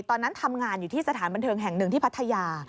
ตอนนั้นทำงานอยู่ที่สถานบันเทิงแห่งหนึ่งที่พัทยา